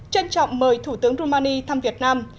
trân trọng mời thủ tướng romania thăm việt nam